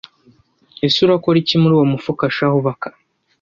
Ese urakora iki muri uwo mufuka shahu Baka